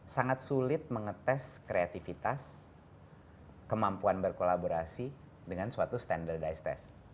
sangat sulit mengetes kreativitas kemampuan berkolaborasi dengan suatu standardized test